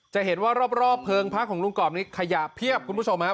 จะเห็นว่ารอบเพลิงพักของลุงกรอบนี้ขยะเพียบคุณผู้ชมครับ